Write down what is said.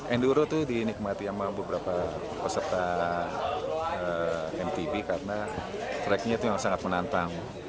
enduro itu dinikmati sama beberapa peserta mtb karena tracknya itu yang sangat menantang